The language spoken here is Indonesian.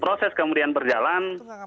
proses kemudian berjalan